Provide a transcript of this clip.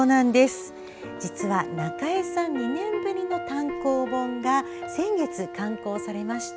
実は、中江さん２年ぶりの単行本が先月、刊行されました。